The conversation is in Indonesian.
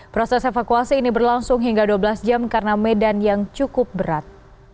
proses evakuasi ini berlangsung hingga dua belas jam karena medan yang cukup berat